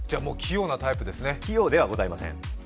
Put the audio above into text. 器用じゃございません。